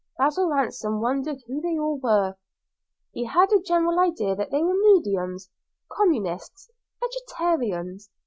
Basil Ransom wondered who they all were; he had a general idea they were mediums, communists, vegetarians.